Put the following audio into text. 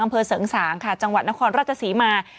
อำเภอเสริงสางค่ะจังหวัดนครราชศรีมา